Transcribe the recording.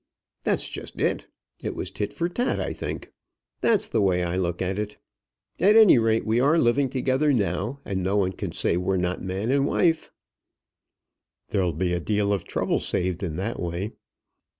"That's just it. It was tit for tat, I think. That's the way I look at it. At any rate we are living together now, and no one can say we're not man and wife." "There'll be a deal of trouble saved in that way."